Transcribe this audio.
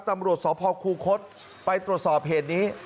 ตำรวจสพคูคศไปตรวจสอบเหตุนี้